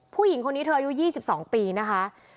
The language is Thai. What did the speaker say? ผู้หญิงคนนี้เธออายุ๒๒ปีนะคะ